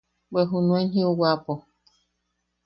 Bwe junuen jiuwapo.